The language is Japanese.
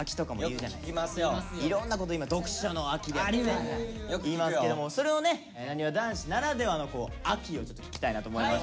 いろんなこと今読書の秋であったりよくいいますけどもそれをねなにわ男子ならではの「秋」をちょっと聞きたいなと思いまして。